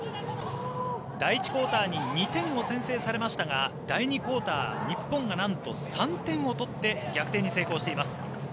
第１クオーターに２点を先制されましたが第２クオーター日本がなんと３点を取って逆転に成功しています。